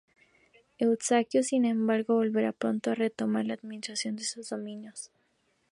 Eustaquio, sin embargo, volvería pronto para retomar la administración de sus dominos.